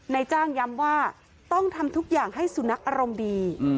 นายจ้างย้ำว่าต้องทำทุกอย่างให้สุนัขอารมณ์ดี